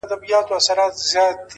دغه ياغي خـلـگـو بــه منـلاى نـــه ـ